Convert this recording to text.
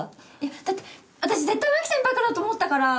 だって私絶対マキ先輩からだと思ったから！